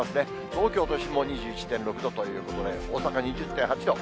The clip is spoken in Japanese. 東京都心も２１．６度ということで、大阪２０．８度。